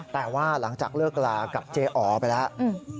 แต่ว่าหลังจากเลิกลากับเจ๊อ๋อไปแล้ว